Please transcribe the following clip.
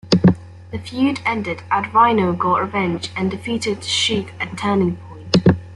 The feud ended after Rhino got revenge and defeated Sheik at Turning Point.